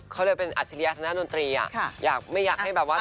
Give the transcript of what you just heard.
เขาเลยเป็นอัธิริยธนนตรีอะอยากไม่อยากให้แบบว่า